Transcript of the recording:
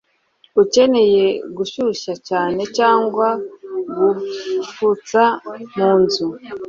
ukeneye gushyushya cyane cyangwa gufutsa mu nzu